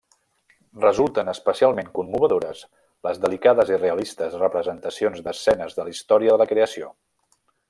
Resulten especialment commovedores les delicades i realistes representacions d'escenes de la història de la creació.